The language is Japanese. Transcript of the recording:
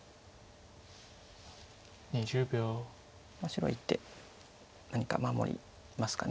白は一手何か守りますか。